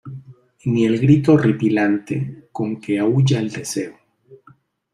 Ni el grito horripilante con que aúlla el deseo.